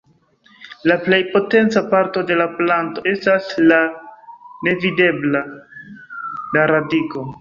La plej potenca parto de la planto estas la nevidebla: la radiko.